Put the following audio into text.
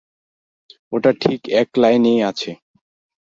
ওটা ঠিক এই লাইনেই আছে।